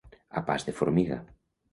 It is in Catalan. A pas de formiga.